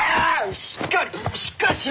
しっかりしっかりしろ！